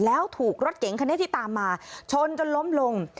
แล้วถูกรถเก๋งคันนี้ที่ตามมาชนจนล้มลง